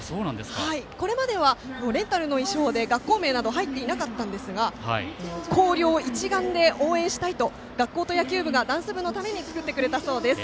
これまではレンタルの衣装で学校名など入っていなかったんですが広陵一丸で応援したいと学校と野球部がダンス部のために作ってくれたそうです。